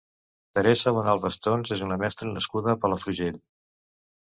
Teresa Bonal Bastons és una mestra nascuda a Palafrugell.